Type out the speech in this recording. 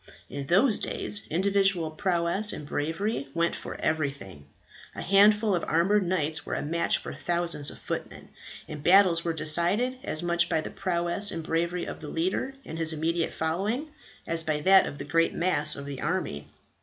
In those days individual prowess and bravery went for everything. A handful of armoured knights were a match for thousands of footmen, and battles were decided as much by the prowess and bravery of the leader and his immediate following as by that of the great mass of the army.